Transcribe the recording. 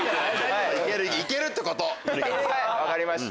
分かりました。